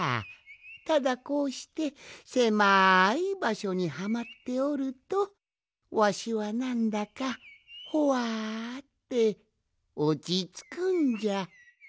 ただこうしてせまいばしょにはまっておるとわしはなんだかほわっておちつくんじゃ。